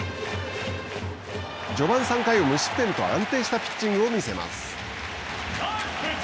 序盤３回を無失点と安定したピッチングを見せます。